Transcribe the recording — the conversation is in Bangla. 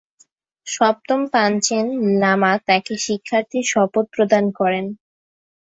সপ্তম পাঞ্চেন লামা তাকে শিক্ষার্থীর শপথ প্রদান করেন।